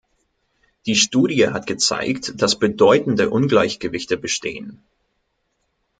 Die Studie hat gezeigt, dass bedeutende Ungleichgewichte bestehen.